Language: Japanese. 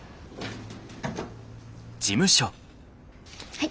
はい。